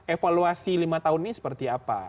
evaluasi lima tahun ini seperti apa